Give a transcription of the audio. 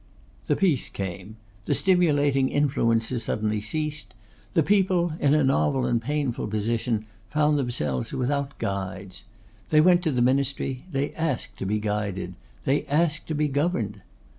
The peace came; the stimulating influences suddenly ceased; the people, in a novel and painful position, found themselves without guides. They went to the ministry; they asked to be guided; they asked to be governed.